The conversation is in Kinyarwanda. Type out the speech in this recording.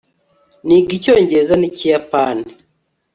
niga icyongereza n'ikiyapani